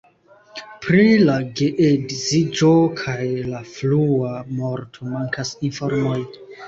Pri la geedziĝo kaj la frua morto mankas informoj.